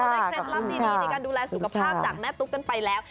เคล็ดลับดีในการดูแลสุขภาพจากแม่ตุ๊กกันไปแล้ว